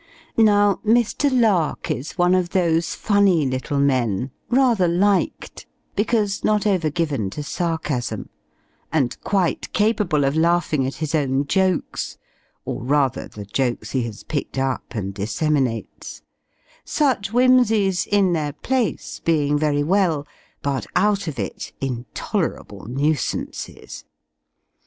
Now, Mr. Lark is one of those funny little men, rather liked, because not over given to sarcasm, and quite capable of laughing at his own jokes; or rather the jokes he has picked up and disseminates such whimsies in their place being very well, but out of it intolerable nuisances.